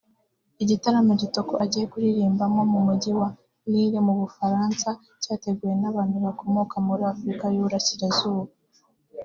Igitaramo Kitoko agiye kuririmbamo mu Mujyi wa Lille mu Bufaransa cyateguwe n’abantu bakomoka muri Afurika y’Uburasirazuba